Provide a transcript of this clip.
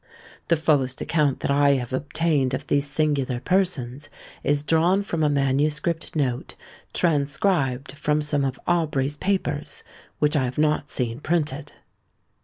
The fullest account that I have obtained of these singular persons is drawn from a manuscript note transcribed from some of Aubrey's papers, which I have not seen printed.